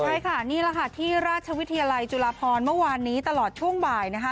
ใช่ค่ะนี่แหละค่ะที่ราชวิทยาลัยจุฬาพรเมื่อวานนี้ตลอดช่วงบ่ายนะคะ